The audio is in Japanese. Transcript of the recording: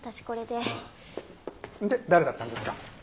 で誰だったんですか？